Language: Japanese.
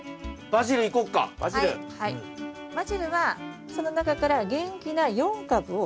バジルはその中から元気なうわ。